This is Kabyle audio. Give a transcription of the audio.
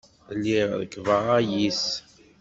Lliɣ rekkbeɣ ayis.